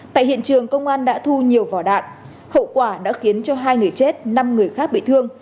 tại hiện trường công an đã thu nhiều vỏ đạn hậu quả đã khiến cho hai người chết năm người khác bị thương